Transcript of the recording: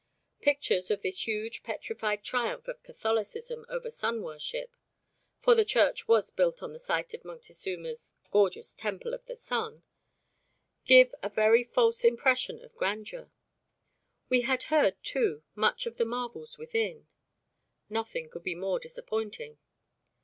Pictures of this huge petrified triumph of Catholicism over Sun Worship (for the church was built on the site of Moctezuma's gorgeous Temple of the Sun) give a very false impression of grandeur. We had heard, too, much of the marvels within. Nothing could be more disappointing.